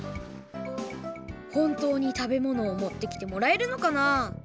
ほんとうに食べ物を持ってきてもらえるのかな？